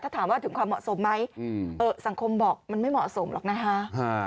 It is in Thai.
ถามว่าถึงความเหมาะสมไหมสังคมบอกมันไม่เหมาะสมหรอกนะคะ